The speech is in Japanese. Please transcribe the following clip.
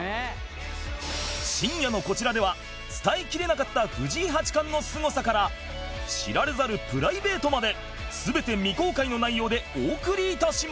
深夜のこちらでは伝えきれなかった藤井八冠のすごさから知られざるプライベートまで全て未公開の内容でお送り致します